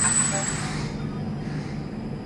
তিনি ইংলন্ডের রাজকীয় সমিতির সদস্য মনোনীত হয়েছিলেন।